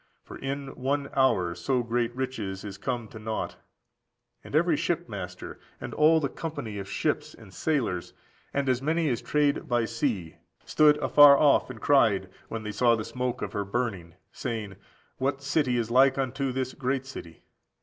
for in one hour so great riches is come to nought. And every shipmaster, and all the company in ships, and sailors, and as many as trade by sea, stood afar off, and cried, when they saw the smoke of her burning, saying, What city is like unto this great city?